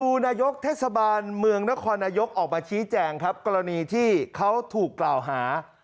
นายกเทศบาลเมืองนครนายกออกมาชี้แจงครับกรณีที่เขาถูกกล่าวหา